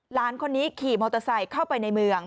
หลานคนนี้ขี่มอเตอร์ไซค์เข้าไปในเมือง